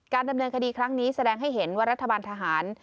ดำเนินคดีครั้งนี้แสดงให้เห็นว่ารัฐบาลทหาร